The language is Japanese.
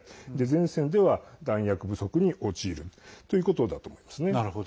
前線では弾薬不足に陥るということだと思いますね。